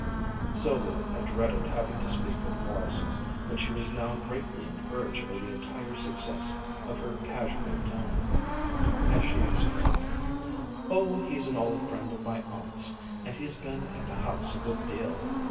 Sylvia had dreaded having to speak of Morrison, but she was now greatly encouraged by the entire success of her casual tone, as she explained, "Oh, he's an old friend of my aunt's, and he's been at the house a good deal."